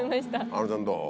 あのちゃんどう？